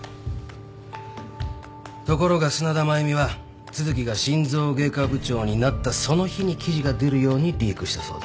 ところが砂田繭美は都築が心臓外科部長になったその日に記事が出るようにリークしたそうだ。